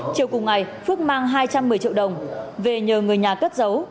chiều cùng ngày phước mang hai trăm một mươi triệu đồng về nhờ người nhà cất giấu